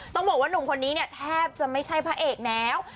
ต้องบอกว่าหนุ่มคนนี้เนี่ยแทบจะไม่ใช่พระเอกแล้ว